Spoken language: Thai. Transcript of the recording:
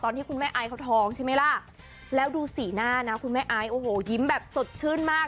ที่คุณแม่ไอซ์เขาท้องใช่ไหมล่ะแล้วดูสีหน้านะคุณแม่ไอซ์โอ้โหยิ้มแบบสดชื่นมาก